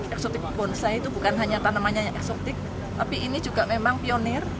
eksotik bonsai itu bukan hanya tanamannya yang eksotik tapi ini juga memang pionir